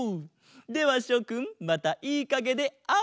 ではしょくんまたいいかげであおう！